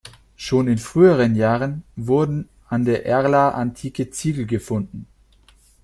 Schon in früheren Jahren wurden an der Erla antike Ziegel gefunden.